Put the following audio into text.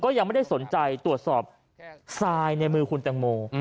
ยังไม่ได้สนใจตรวจสอบทรายในมือคุณแตงโม